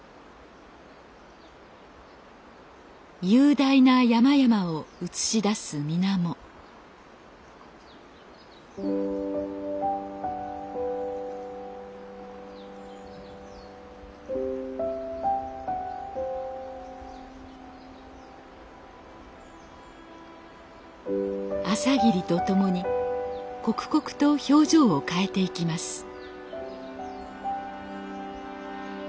雄大な山々を映し出す水面朝霧と共に刻々と表情を変えていきます